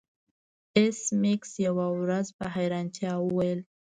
ایس میکس یوه ورځ په حیرانتیا وویل